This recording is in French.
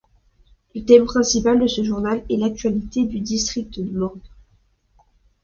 Le thème principal de ce journal est l'actualité du district de morges.